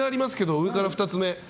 上から２つ目。